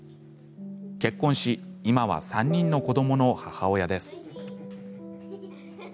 結婚し今は３人の子どもの母親です。